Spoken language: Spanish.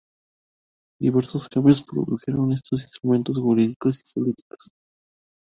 Diversos cambios produjeron estos instrumentos jurídicos y políticos.